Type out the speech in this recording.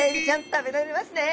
食べられますね。